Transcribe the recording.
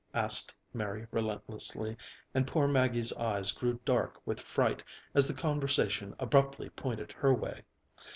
asked Mary relentlessly, and poor Maggie's eyes grew dark with fright as the conversation abruptly pointed her way.